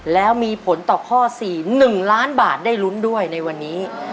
แล้วมีผลต่อข้อ๔๑ล้านบาทได้ลุ้นด้วยในวันนี้